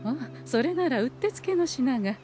それならうってつけの品が。